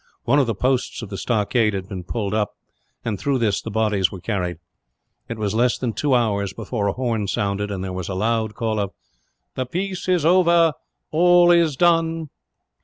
One of the posts of the stockade had been pulled up and through this the bodies were carried. It was less than two hours before a horn sounded, and there was a loud call of: "The peace is over; all is done."